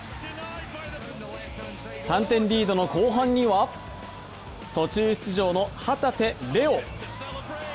３点リードの後半には途中出場の旗手怜央。